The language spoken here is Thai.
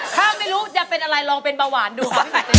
ถ้าไม่รู้จะเป็นอะไรลองเป็นเบาหวานดูค่ะ